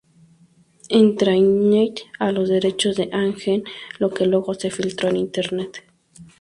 Entertainment a los derechos de Han Geng, lo que luego se filtró en internet.